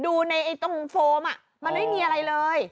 ดูในตรงโฟมมันไม่มีอะไรเลย